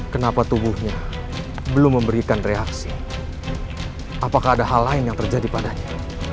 kenapa tubuhnya belum memberikan reaksi apakah ada hal lain yang terjadi padanya